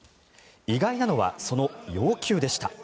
意外なのは、その要求でした。